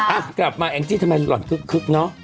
กลับมาแองจี้ทำไมหล่อนคึกเนอะ